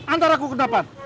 antar aku ke depan